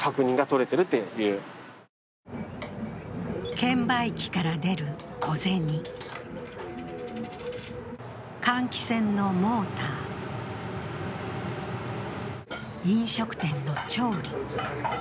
券売機から出る小銭、換気扇のモーター、飲食店の調理。